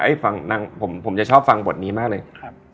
เอ้ยฟังนั่งผมผมจะชอบฟังบทนี้มากเลยครับ